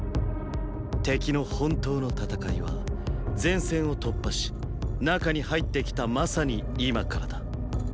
敵の本当の戦いは前線を突破し中に入ってきたまさに今からだ。